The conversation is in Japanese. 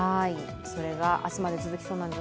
それが明日まで続きそうです。